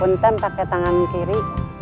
untuk tem pakai tangan kiri